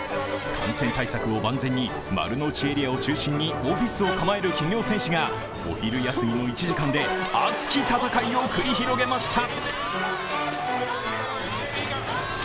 感染対策を万全に丸の内エリアを中心にオフィスを構える企業戦士がお昼休みの１時間で熱き戦いを繰り広げました。